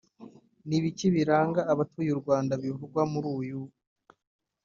Ni ibiki biranga abatuye u Rwanda bivugwa muri uyu